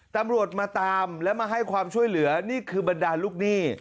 ตำรวจมาตามและมาให้ความช่วยเหลือนี่คือบรรดาลูกหนี้